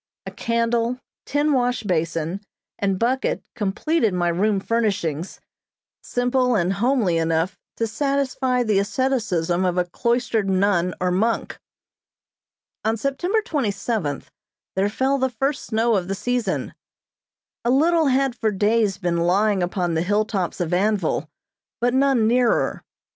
A candle, tin wash basin, and bucket completed my room furnishings, simple and homely enough to satisfy the asceticism of a cloistered nun or monk. On September twenty seventh there fell the first snow of the season. A little had for days been lying upon the hilltops of Anvil, but none nearer.